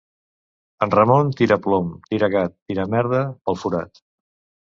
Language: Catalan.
En Ramon tira plom, tira gat, tira merda, pel forat.